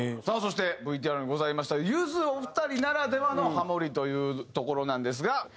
さあそしてＶＴＲにございましたがゆずお二人ならではのハモリというところなんですが。